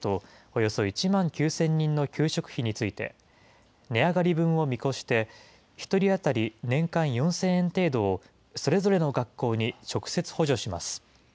およそ１万９０００人の給食費について、値上がり分を見越して、１人当たり年間４０００円程度を、それぞれの学校に直接補助します。